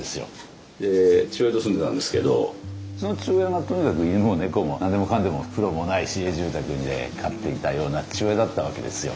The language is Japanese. で父親と住んでたんですけどその父親がとにかく犬も猫も何でもかんでも風呂もない市営住宅で飼っていたような父親だったわけですよ。